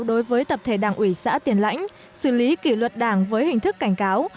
đối với tập thể đảng ủy xã tiền lãnh xử lý kỷ luật đảng với hình thức cảnh cáo